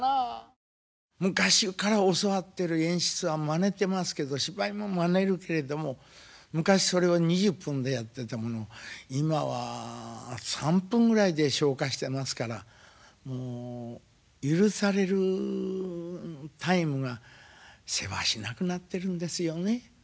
昔から教わってる演出はまねてますけど芝居もまねるけれども昔それを２０分でやってたものを今は３分ぐらいで消化してますからもう許されるタイムがせわしなくなってるんですよね。